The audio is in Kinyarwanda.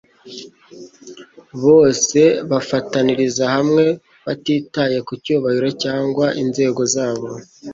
bose bafataniriza hamwe batitaye ku cyubahiro cyangwa inzego zabo.